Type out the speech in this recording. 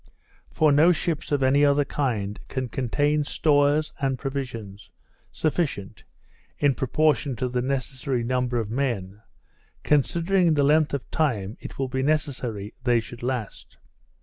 For no ships of any other kind can contain stores and provisions sufficient (in proportion to the necessary number of men,) considering the length of time it will be necessary they should last.